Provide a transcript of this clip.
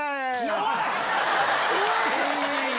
おい！